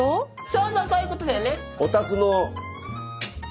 そうそうそういうことだよね。